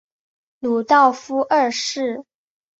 鲁道夫二世。